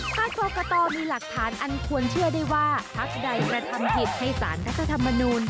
ถ้ากรกตมีหลักฐานอันควรเชื่อได้ว่าพักใดกระทำผิดให้สารรัฐธรรมนูล